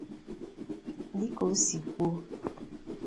Dịka o si kwuo